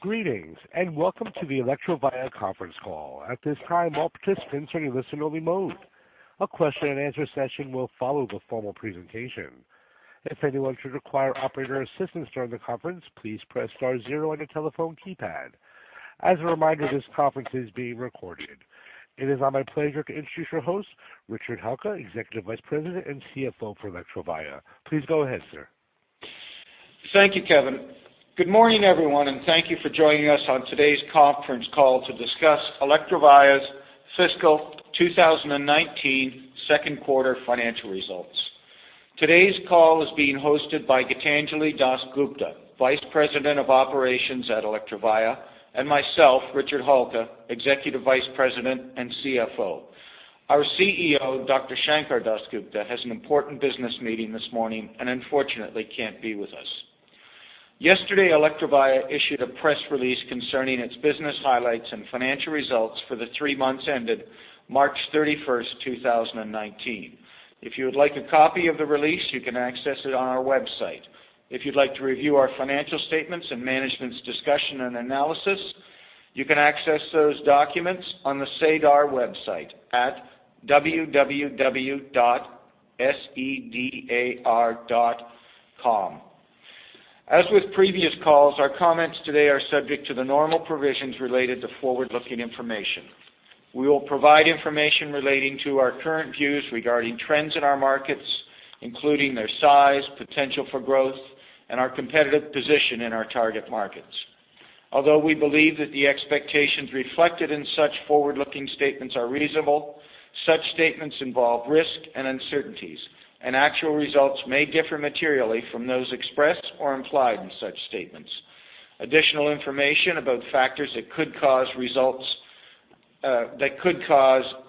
Greetings, and welcome to the Electrovaya conference call. At this time, all participants are in listen-only mode. A question and answer session will follow the formal presentation. If anyone should require operator assistance during the conference, please press star zero on your telephone keypad. As a reminder, this conference is being recorded. It is now my pleasure to introduce your host, Richard Halka, Executive Vice President and CFO for Electrovaya. Please go ahead, sir. Thank you, Kevin. Good morning, everyone, thank you for joining us on today's conference call to discuss Electrovaya's fiscal 2019 Q2 financial results. Today's call is being hosted by Gitanjali DasGupta, Vice President of Operations at Electrovaya, and myself, Richard Halka, Executive Vice President and CFO. Our CEO, Dr. Sankar Das Gupta, has an important business meeting this morning and unfortunately can't be with us. Yesterday, Electrovaya issued a press release concerning its business highlights and financial results for the three months ended March 31st, 2019. If you would like a copy of the release, you can access it on our website. If you'd like to review our financial statements and management's discussion and analysis, you can access those documents on the SEDAR website at www.sedar.com. As with previous calls, our comments today are subject to the normal provisions related to forward-looking information. We will provide information relating to our current views regarding trends in our markets, including their size, potential for growth, and our competitive position in our target markets. Although we believe that the expectations reflected in such forward-looking statements are reasonable, such statements involve risks and uncertainties, and actual results may differ materially from those expressed or implied in such statements. Additional information about factors that could cause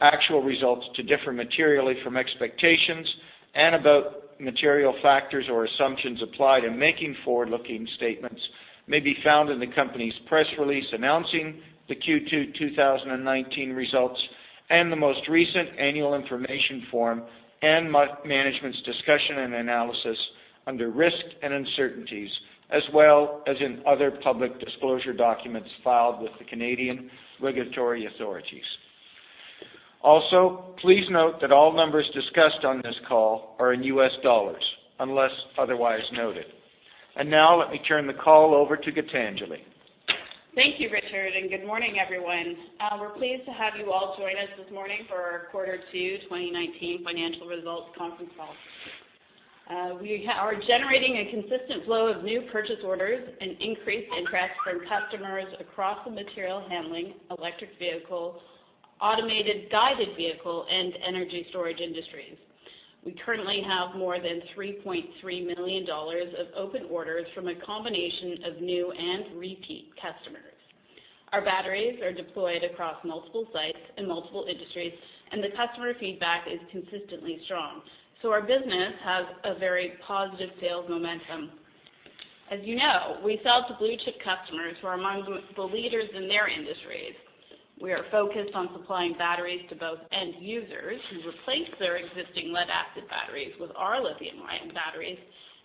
actual results to differ materially from expectations, and about material factors or assumptions applied in making forward-looking statements, may be found in the company's press release announcing the Q2 2019 results, and the most recent annual information form, and management's discussion and analysis under risks and uncertainties, as well as in other public disclosure documents filed with the Canadian regulatory authorities. Also, please note that all numbers discussed on this call are in U.S. dollars, unless otherwise noted. Now, let me turn the call over to Gitanjali. Thank you, Richard, and good morning, everyone. We're pleased to have you all join us this morning for our quarter two 2019 financial results conference call. We are generating a consistent flow of new purchase orders and increased interest from customers across the material handling, electric vehicle, automated guided vehicle, and energy storage industries. We currently have more than $3.3 million of open orders from a combination of new and repeat customers. Our batteries are deployed across multiple sites and multiple industries, and the customer feedback is consistently strong. Our business has a very positive sales momentum. As you know, we sell to blue-chip customers who are among the leaders in their industries. We are focused on supplying batteries to both end users who replace their existing lead-acid batteries with our lithium-ion batteries,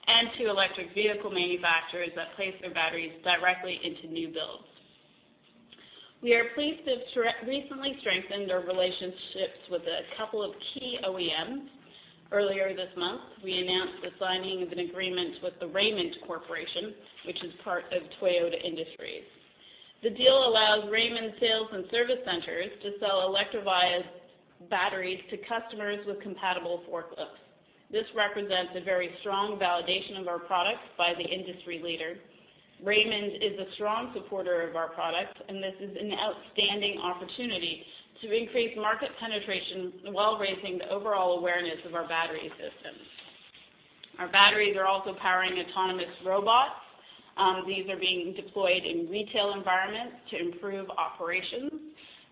and to electric vehicle manufacturers that place their batteries directly into new builds. We are pleased to have recently strengthened our relationships with a couple of key OEMs. Earlier this month, we announced the signing of an agreement with The Raymond Corporation, which is part of Toyota Industries Corporation. The deal allows Raymond sales and service centers to sell Electrovaya's batteries to customers with compatible forklifts. This represents a very strong validation of our product by the industry leader. Raymond is a strong supporter of our product, and this is an outstanding opportunity to increase market penetration while raising the overall awareness of our battery systems. Our batteries are also powering autonomous robots. And these are being deployed in retail environments to improve operations.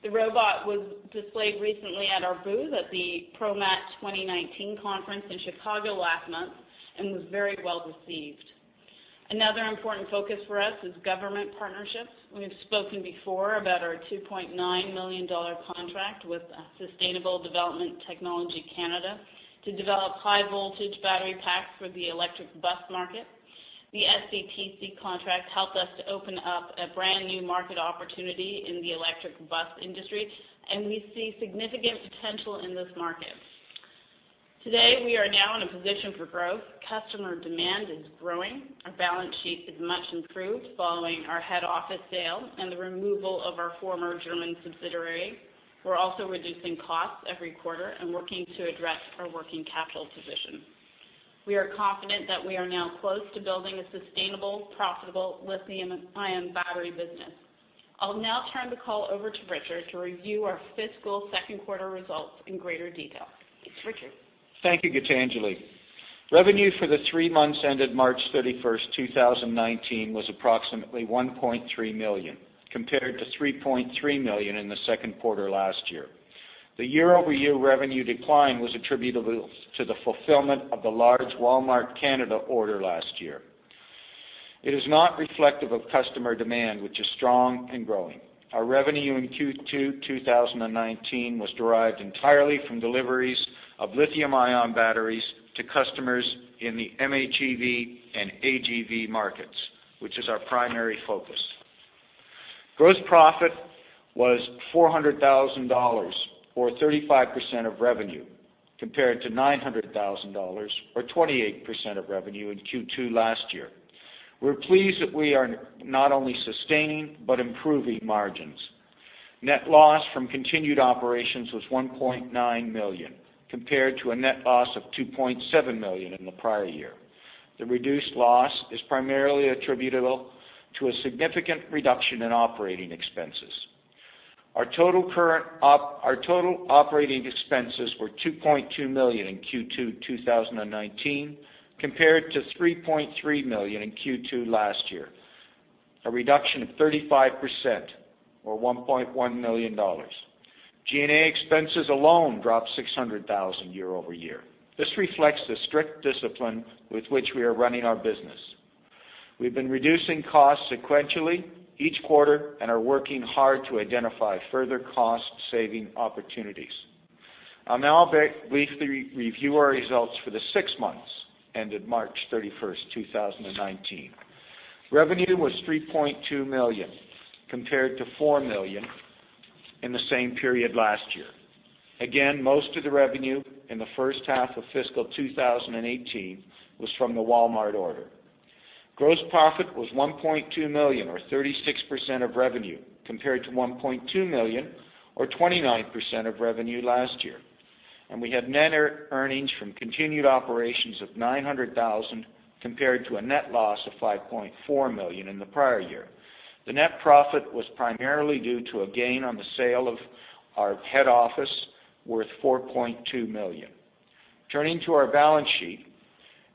The robot was displayed recently at our booth at the ProMat 2019 conference in Chicago last month and was very well received. Another important focus for us is government partnerships. We have spoken before about our $2.9 million contract with Sustainable Development Technology Canada to develop high-voltage battery packs for the electric bus market. The SDTC contract helped us to open up a brand-new market opportunity in the electric bus industry, and we see significant potential in this market. Today, we are now in a position for growth. Customer demand is growing. Our balance sheet is much improved following our head office sale and the removal of our former German subsidiary. We're also reducing costs every quarter and working to address our working capital position. We are confident that we are now close to building a sustainable, profitable lithium-ion battery business. I'll now turn the call over to Richard to review our fiscal Q2 results in greater detail. Thanks, Richard. Thank you, Gitanjali. Revenue for the three months ended March 31st, 2019, was approximately $1.3 million, compared to $3.3 million in the Q2 last year. The year-over-year revenue decline was attributable to the fulfillment of the large Walmart Canada order last year. It is not reflective of customer demand, which is strong and growing. Our revenue in Q2 2019 was derived entirely from deliveries of lithium-ion batteries to customers in the MHEV and AGV markets, which is our primary focus. Gross profit was $400,000, or 35% of revenue, compared to $900,000, or 28% of revenue in Q2 last year. We're pleased that we are not only sustaining but improving margins. Net loss from continued operations was $1.9 million, compared to a net loss of $2.7 million in the prior year. The reduced loss is primarily attributable to a significant reduction in operating expenses. Our total operating expenses were $2.2 million in Q2 2019, compared to $3.3 million in Q2 last year, a reduction of 35%, or $1.1 million. G&A expenses alone dropped $600,000 year-over-year. This reflects the strict discipline with which we are running our business. We've been reducing costs sequentially each quarter and are working hard to identify further cost-saving opportunities. I'll now briefly review our results for the six months ended March 31st, 2019. Revenue was $3.2 million, compared to $4 million in the same period last year. Again, most of the revenue in the H1 of fiscal 2018 was from the Walmart order. Gross profit was $1.2 million, or 36% of revenue, compared to $1.2 million, or 29% of revenue last year. We had net earnings from continued operations of $900,000, compared to a net loss of $5.4 million in the prior year. The net profit was primarily due to a gain on the sale of our head office worth $4.2 million. Turning to our balance sheet,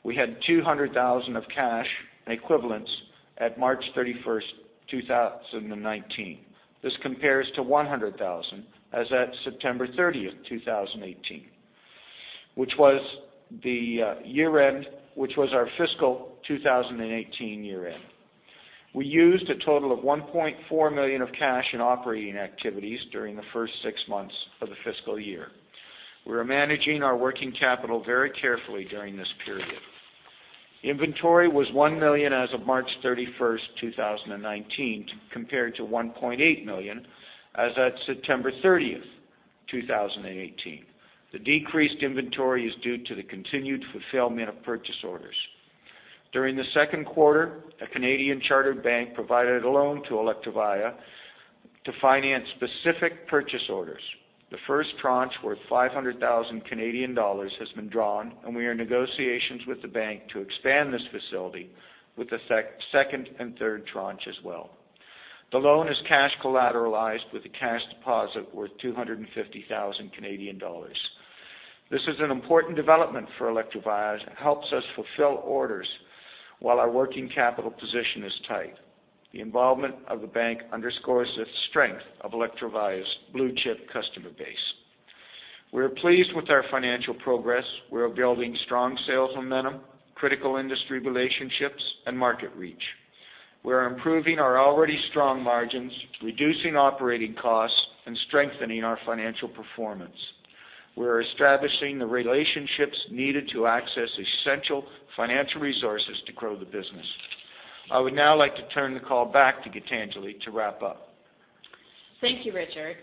we had $200,000 of cash equivalents at March 31st, 2019. This compares to $100,000 as at September 30th, 2018, which was our fiscal 2018 year-end. We used a total of $1.4 million of cash in operating activities during the first six months of the fiscal year. We were managing our working capital very carefully during this period. Inventory was $1 million as of March 31st, 2019, compared to $1.8 million as at September 30th, 2018. The decreased inventory is due to the continued fulfillment of purchase orders. During the Q2, a Canadian chartered bank provided a loan to Electrovaya to finance specific purchase orders. The first tranche worth 500,000 Canadian dollars has been drawn. We are in negotiations with the bank to expand this facility with the second and third tranche as well. The loan is cash collateralized with a cash deposit worth 250,000 Canadian dollars. This is an important development for Electrovaya, as it helps us fulfill orders while our working capital position is tight. The involvement of the bank underscores the strength of Electrovaya's blue-chip customer base. We are pleased with our financial progress. We are building strong sales momentum, critical industry relationships, and market reach. We are improving our already strong margins, reducing operating costs, and strengthening our financial performance. We are establishing the relationships needed to access essential financial resources to grow the business. I would now like to turn the call back to Gitanjali to wrap up. Thank you, Richard.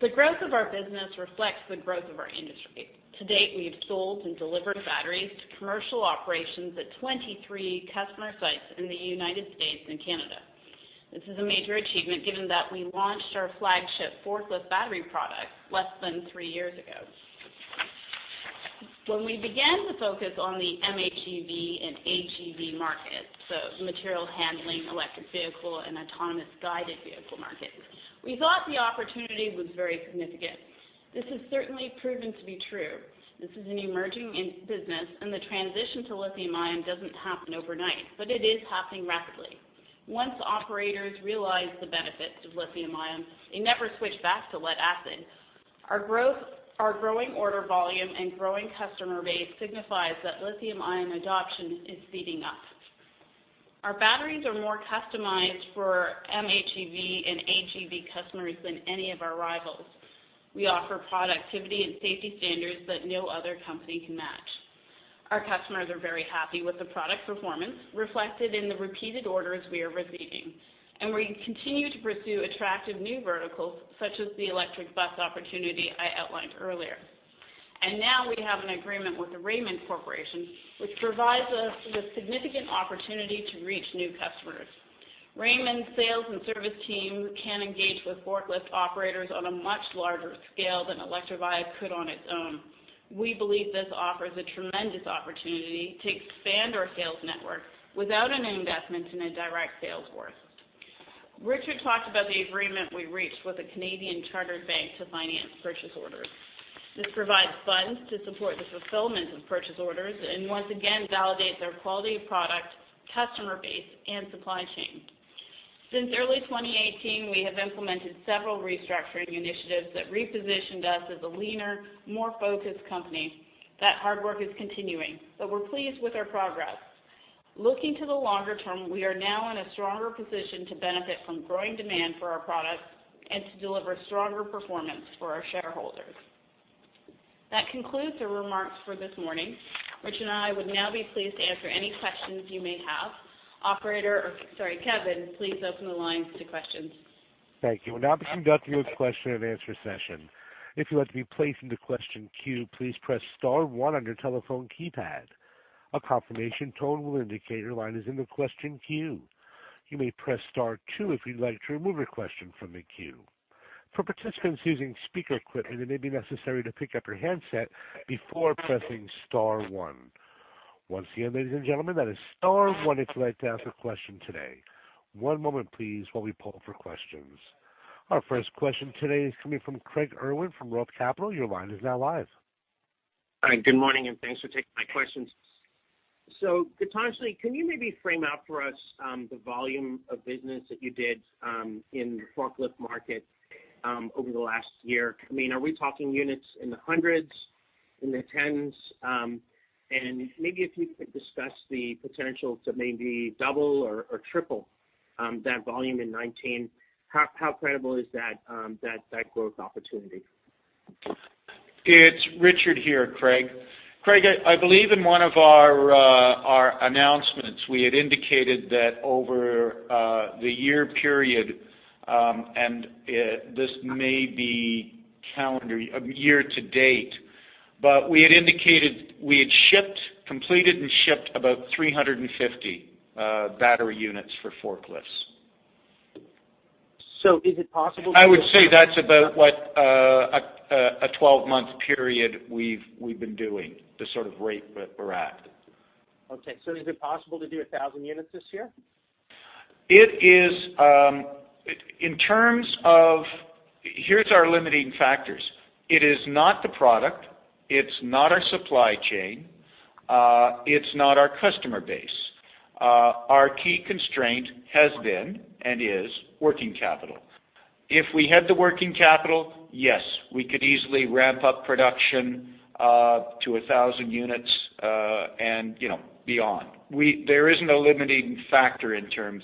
The growth of our business reflects the growth of our industry. To date, we have sold and delivered batteries to commercial operations at 23 customer sites in the U.S. and Canada. This is a major achievement given that we launched our flagship forklift battery product less than three years ago. When we began to focus on the MHEV and AGV market, so material handling, electric vehicle, and autonomous guided vehicle markets, we thought the opportunity was very significant. This has certainly proven to be true. This is an emerging business. The transition to lithium-ion doesn't happen overnight, but it is happening rapidly. Once operators realize the benefits of lithium-ion, they never switch back to lead-acid. Our growing order volume and growing customer base signifies that lithium-ion adoption is speeding up. Our batteries are more customized for MHEV and AGV customers than any of our rivals. We offer productivity and safety standards that no other company can match. Our customers are very happy with the product performance reflected in the repeated orders we are receiving, and we continue to pursue attractive new verticals, such as the electric bus opportunity I outlined earlier. And now we have an agreement with The Raymond Corporation, which provides us with significant opportunity to reach new customers. Raymond's sales and service team can engage with forklift operators on a much larger scale than Electrovaya could on its own. We believe this offers a tremendous opportunity to expand our sales network without an investment in a direct sales force. Richard talked about the agreement we reached with a Canadian chartered bank to finance purchase orders. This provides funds to support the fulfillment of purchase orders and once again validates our quality of product, customer base, and supply chain. Since early 2018, we have implemented several restructuring initiatives that repositioned us as a leaner, more focused company. That hard work is continuing, we're pleased with our progress. Looking to the longer term, we are now in a stronger position to benefit from growing demand for our products and to deliver stronger performance for our shareholders. That concludes the remarks for this morning. Richard and I would now be pleased to answer any questions you may have. Kevin, please open the lines to questions. Thank you. We'll now be conducting a question and answer session. If you'd like to be placed into question queue, please press star one on your telephone keypad. A confirmation tone will indicate your line is in the question queue. You may press star two if you'd like to remove your question from the queue. For participants using speaker equipment, it may be necessary to pick up your handset before pressing star one. Once again, ladies and gentlemen, that is star one if you'd like to ask a question today. One moment please, while we poll for questions. Our first question today is coming from Craig Irwin from Roth Capital Partners. Your line is now live. Hi, good morning, thanks for taking my questions. Gitanjali, can you maybe frame out for us the volume of business that you did in the forklift market over the last year? Are we talking units in the hundreds? In the tens? Maybe if you could discuss the potential to maybe double or triple that volume in 2019, how credible is that growth opportunity? It's Richard here, Craig. Craig, I believe in one of our announcements, we had indicated that over the year period, and this may be year to date. But we had indicated we had completed and shipped about 350 battery units for forklifts. So is it possible to- I would say that's about what a 12-month period we've been doing, the sort of rate that we're at. Okay. Is it possible to do 1,000 units this year? This is, in terms of, here are our limiting factors. It is not the product, it's not our supply chain, it's not our customer base. Our key constraint has been, and is, working capital. If we had the working capital, yes, we could easily ramp up production to 1,000 units and beyond. There is no limiting factor in terms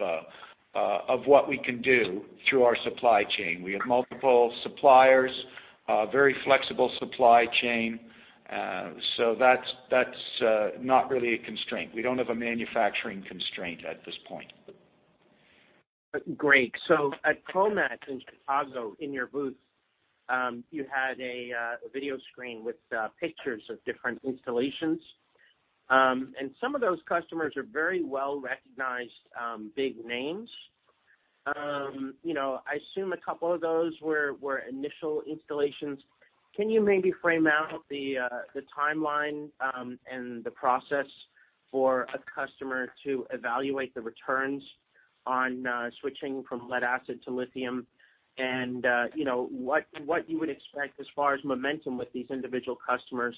of what we can do through our supply chain. We have multiple suppliers, a very flexible supply chain. So that's not really a constraint. We don't have a manufacturing constraint at this point. Great. So at ProMat in Chicago, in your booth, you had a video screen with pictures of different installations. Some of those customers are very well-recognized, big names. You know I assume a couple of those were initial installations. Can you maybe frame out the timeline and the process for a customer to evaluate the returns on switching from lead-acid to lithium, and what you would expect as far as momentum with these individual customers?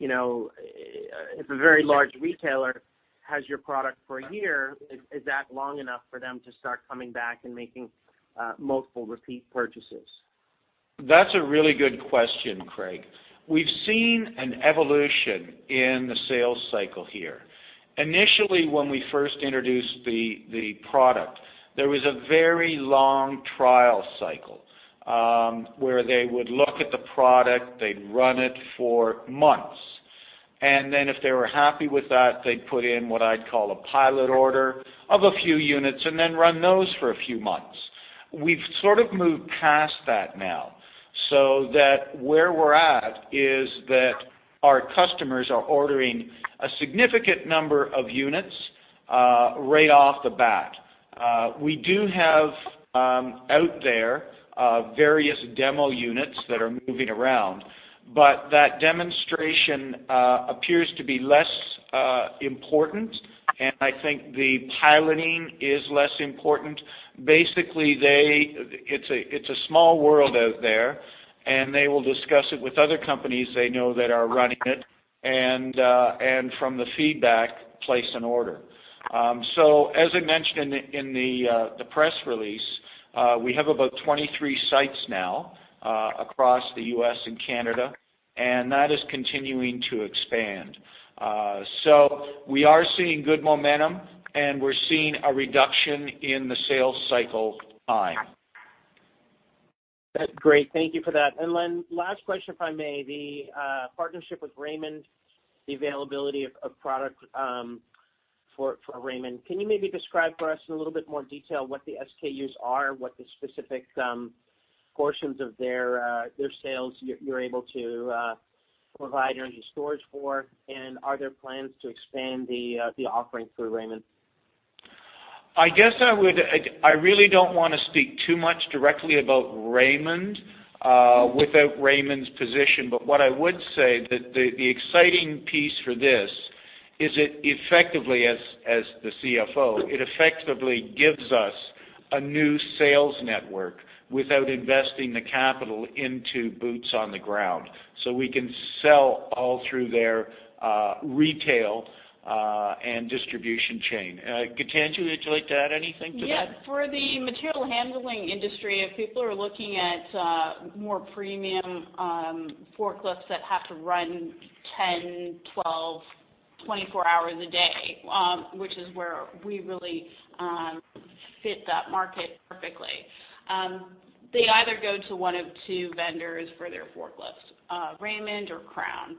If a very large retailer has your product for a year, is that long enough for them to start coming back and making multiple repeat purchases? That's a really good question, Craig. We've seen an evolution in the sales cycle here. Initially, when we first introduced the product, there was a very long trial cycle, where they would look at the product, they'd run it for months. And then if they were happy with that, they'd put in what I'd call a pilot order of a few units, and then run those for a few months. We've sort of moved past that now, so that where we're at is that our customers are ordering a significant number of units right off the bat. We do have out there various demo units that are moving around. But that demonstration appears to be less important, and I think the piloting is less important. Basically, it's a small world out there, and they will discuss it with other companies they know that are running it, and from the feedback, place an order. As I mentioned in the press release, we have about 23 sites now across the U.S. and Canada, and that is continuing to expand. So we are seeing good momentum, and we're seeing a reduction in the sales cycle time. That's great. Thank you for that. Last question, if I may, the partnership with Raymond, the availability of product for Raymond. Can you maybe describe for us in a little bit more detail what the SKUs are, what the specific portions of their sales you're able to provide or any storage for, and are there plans to expand the offerings through Raymond? I really don't want to speak too much directly about Raymond without Raymond's position. What I would say that the exciting piece for this is it effectively, as the CFO, it effectively gives us a new sales network without investing the capital into boots on the ground. We can sell all through their retail and distribution chain. Gitanjali, would you like to add anything to that? Yeah. For the material handling industry, if people are looking at more premium forklifts that have to run 10, 1,224 hours a day, which is where we really fit that market perfectly. They either go to one of two vendors for their forklifts, Raymond or Crown.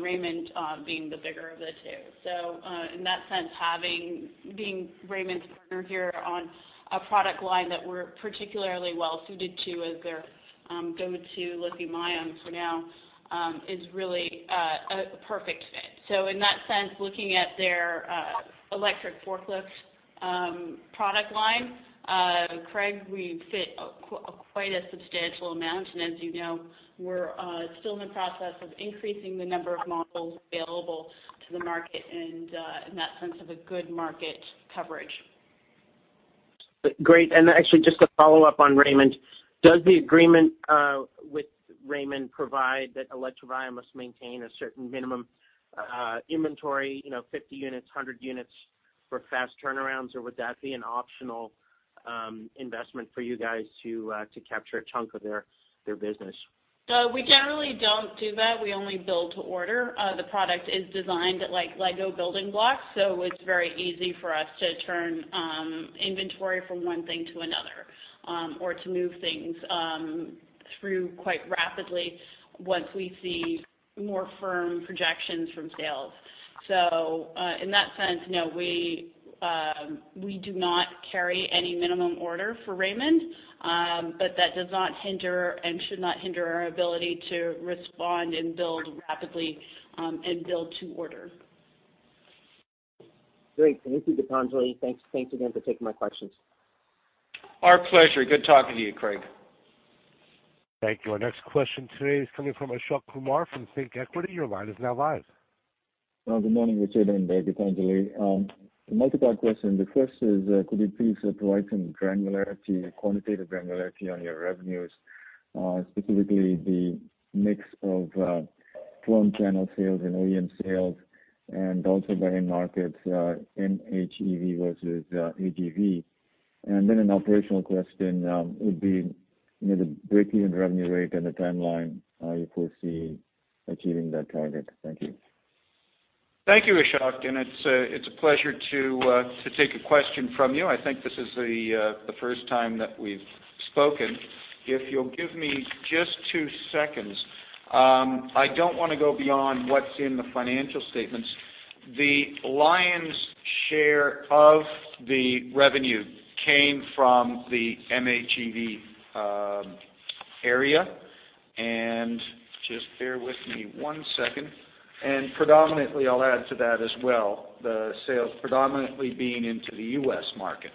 Raymond being the bigger of the two. In that sense, being Raymond's partner here on a product line that we're particularly well-suited to as their go-to lithium-ion for now is really a perfect fit. In that sense, looking at their electric forklift product line, Craig, we fit quite a substantial amount. As you know, we're still in the process of increasing the number of models available to the market and in that sense have a good market coverage. Great. Actually, just to follow up on Raymond, does the agreement with Raymond provide that Electrovaya must maintain a certain minimum inventory, 50 units, 100 units for fast turnarounds or would that be an optional investment for you guys to capture a chunk of their business? We generally don't do that. We only build to order. The product is designed like Lego building blocks, it's very easy for us to turn inventory from one thing to another or to move things through quite rapidly once we see more firm projections from sales. In that sense, no, we do not carry any minimum order for Raymond. That does not hinder and should not hinder our ability to respond and build rapidly, and build to order. Great. Thank you, Gitanjali. Thanks again for taking my questions. Our pleasure. Good talking to you, Craig. Thank you. Our next question today is coming from Ashok Kumar from ThinkEquity. Your line is now live. Well, good morning, Richard and Gitanjali. A multi-part question. The first is, could you please provide some granularity, quantitative granularity on your revenues, specifically the mix of foreign channel sales and OEM sales, and also by end markets, MHEV versus AGV? Then an operational question would be the breakeven revenue rate and the timeline you foresee achieving that target. Thank you. Thank you, Ashok. It's a pleasure to take a question from you. I think this is the first time that we've spoken. If you'll give me just two seconds. I don't want to go beyond what's in the financial statements. The lion's share of the revenue came from the MHEV area. Just bear with me one second. Predominantly, I'll add to that as well, the sales predominantly being into the U.S. market.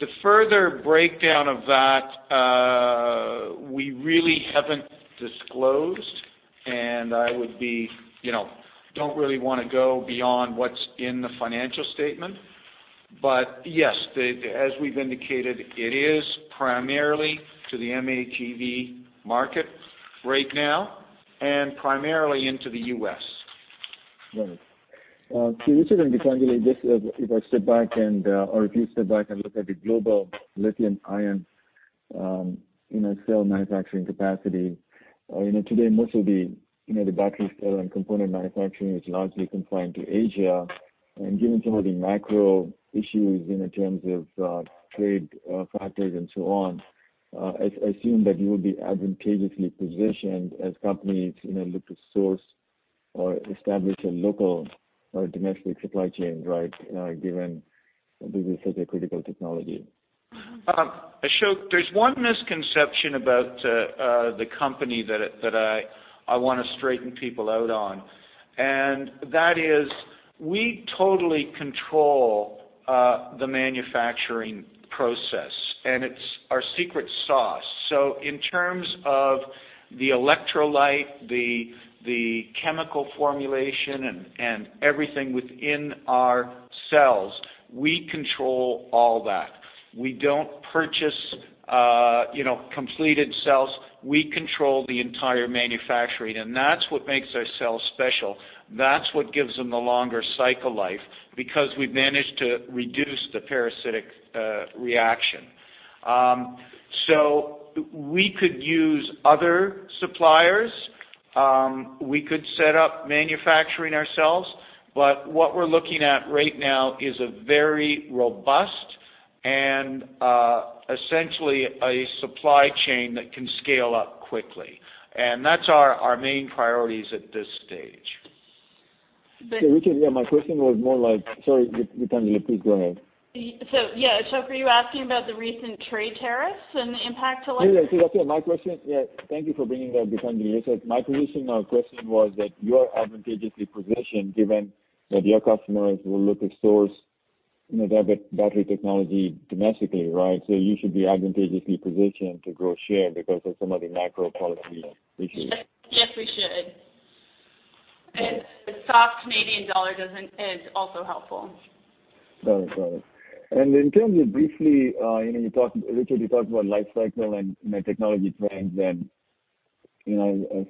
The further breakdown of that, we really haven't disclosed, and I don't really want to go beyond what's in the financial statement. But yes, as we've indicated, it is primarily to the MHEV market right now and primarily into the U.S. Right. Richard and Gitanjali, if I step back, or if you step back and look at the global lithium-ion cell manufacturing capacity, today most of the battery cell and component manufacturing is largely confined to Asia. Given some of the macro issues in terms of trade factors and so on, I assume that you will be advantageously positioned as companies look to source or establish a local or domestic supply chain, right, given this is such a critical technology. Ashok, there's one misconception about the company that I want to straighten people out on, and that is we totally control the manufacturing process, and it's our secret sauce. In terms of the electrolyte, the chemical formulation, and everything within our cells, we control all that. We don't purchase completed cells. We control the entire manufacturing, and that's what makes our cells special. That's what gives them the longer cycle life, because we've managed to reduce the parasitic reaction. So we could use other suppliers. We could set up manufacturing ourselves, what we're looking at right now is a very robust and essentially a supply chain that can scale up quickly. That's our main priorities at this stage. Okay, Richard, my question was more like Sorry, Gitanjali, please go ahead. Yeah. Ashok, are you asking about the recent trade tariffs and the impact? Yeah. That's okay. Thank you for bringing that, Gitanjali. My original question was that you are advantageously positioned given that your customers will look at source their battery technology domestically, right? You should be advantageously positioned to grow share because of some of the macro policy issues. Yes, we should. The soft Canadian dollar is also helpful. In terms of briefly, Richard, you talked about life cycle and technology trends and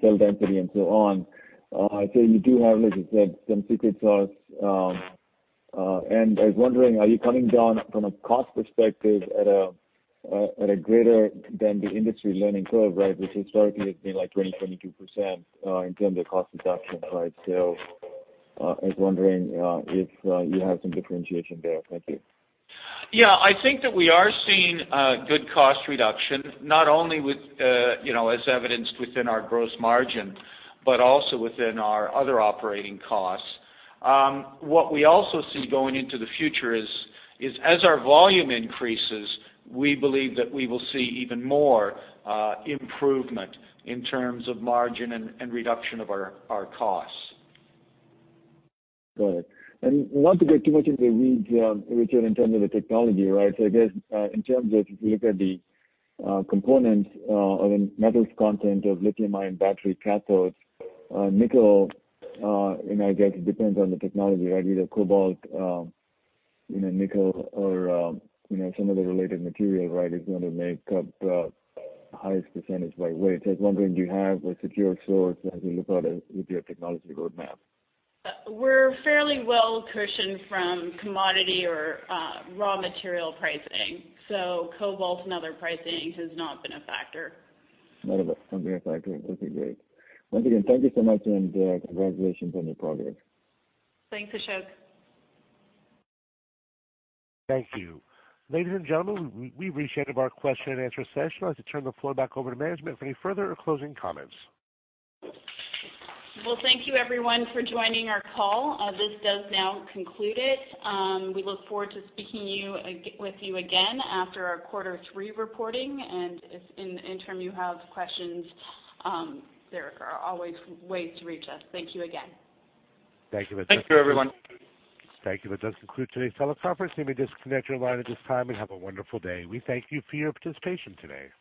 cell density and so on. You do have, as you said, some secret sauce. I was wondering, are you coming down from a cost perspective at a greater than the industry learning curve, right? Which historically has been like 20%, 22% in terms of cost reduction, right? I was wondering if you have some differentiation there. Thank you. Yeah I think that we are seeing good cost reduction, not only as evidenced within our gross margin, but also within our other operating costs. What we also see going into the future is, as our volume increases, we believe that we will see even more improvement in terms of margin and reduction of our costs. Got it. Not to get too much into the weeds, Richard, in terms of the technology, right? I guess in terms of if you look at the components, I mean, metals content of lithium-ion battery cathodes, nickel, and I guess it depends on the technology, right? Either cobalt, nickel or some of the related material, right, is going to make up the highest percentage by weight. I was wondering, do you have a secure source as you look out with your technology roadmap? We're fairly well cushioned from commodity or raw material pricing. Cobalt and other pricings has not been a factor. Not been a factor. Okay, great. Once again, thank you so much, and congratulations on your progress. Thanks, Ashok. Thank you. Ladies and gentlemen, we've reached the end of our question and answer session. I'd like to turn the floor back over to management for any further or closing comments. Well, thank you everyone for joining our call. This does now conclude it. We look forward to speaking with you again after our quarter three reporting, and if in the interim you have questions, there are always ways to reach us. Thank you again. Thank you. Thank you, everyone. Thank you. That does conclude today's teleconference. You may disconnect your line at this time and have a wonderful day. We thank you for your participation today.